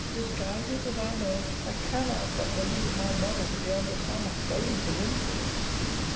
Disguise it as I may, I cannot but believe my mother to be under some baneful influence.